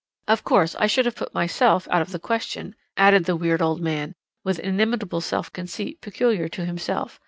"Of course, I should have put myself out of the question," added the weird old man, with that inimitable self conceit peculiar to himself.